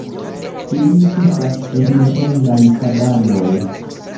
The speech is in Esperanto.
Ili vivas en rondaj kabanoj.